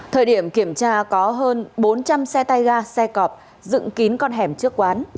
thời điểm kiểm tra có hơn bốn trăm linh xe tay ga xe cọp dựng kín con hẻm trước quán